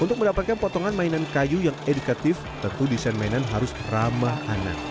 untuk mendapatkan potongan mainan kayu yang edukatif tentu desain mainan harus ramah anak